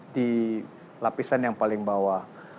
di lapisan yang paling bawah